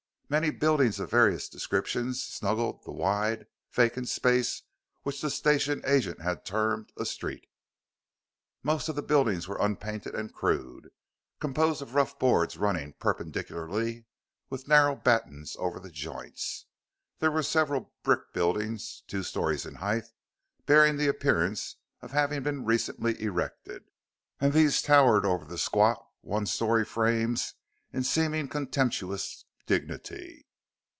Many buildings of various descriptions snuggled the wide, vacant space which the station agent had termed a "street." Most of the buildings were unpainted and crude, composed of rough boards running perpendicularly, with narrow battens over the joints. There were several brick buildings two stories in height, bearing the appearance of having been recently erected, and these towered over the squat, one story frames in seeming contemptuous dignity.